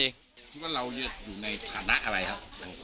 คิดว่าเราอยู่ในฐานะอะไรครับ